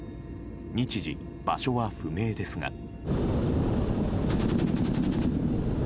日時、場所は不明ですが。